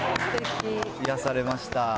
癒やされました。